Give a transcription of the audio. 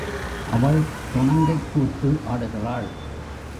அவள் துணங்கைக் கூத்து ஆடுகிறாள்.